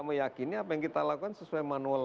meyakini apa yang kita lakukan sesuai manual